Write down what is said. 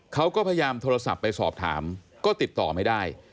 เขาก็พยายามโทรศัพท์ไปสอบถามก็ติดต่อไม่ได้